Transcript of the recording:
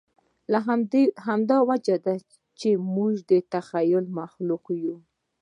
همدا وجه ده، چې موږ د تخیل مخلوق یو.